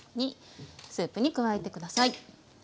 スープに加えて下さい。